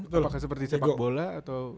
apakah seperti sepak bola atau